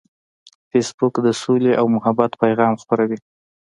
فېسبوک د سولې او محبت پیغام خپروي